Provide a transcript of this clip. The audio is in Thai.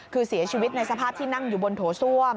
คือเสียชีวิตในสภาพที่นั่งอยู่บนโถส้วม